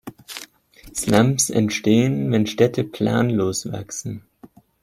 Slums entstehen, wenn Städte planlos wachsen.